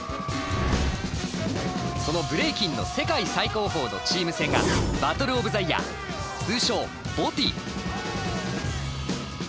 そのブレイキンの世界最高峰のチーム戦がバトルオブザイヤー通称ＢＯＴＹ。